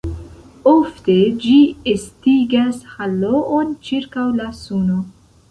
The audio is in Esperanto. Ofte ĝi estigas haloon ĉirkaŭ la suno.